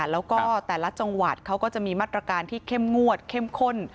แล้วก็แต่ละจังหวัดเขาก็จะมีมาตรการที่เข้มงวดเข้มข้น